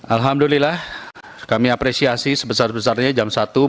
alhamdulillah kami apresiasi sebesar besarnya jam satu